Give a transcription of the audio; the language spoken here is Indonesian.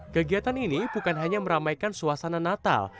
kegiatan ini bukan hanya meramaikan suasana natal